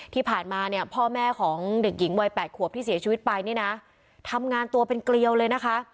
ที่ผ่านมาเนี่ยพ่อแม่ของเด็กหญิงวัย๘ขวบที่เสียชีวิตไปเนี่ยนะทำงานตัวเป็นเกลียวเลยนะคะ